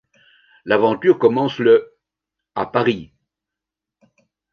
L’aventure commence le à Paris.